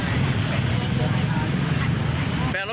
มึนมือร้องสำคับเครื่องมือเจ้อเลย